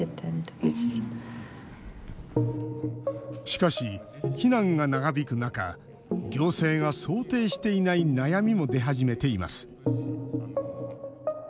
しかし、避難が長引く中行政が想定していない悩みも出始めています。